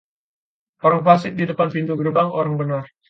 orang fasik di depan pintu gerbang orang benar.